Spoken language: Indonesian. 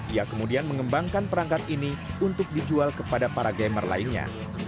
ia kemudian mengembangkan perangkat ini untuk dijual kepada para gamer lainnya